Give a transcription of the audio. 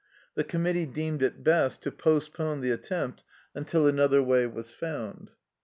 The committee deemed it best to postpone the attempt until another way was found.